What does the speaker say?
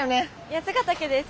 八ヶ岳です。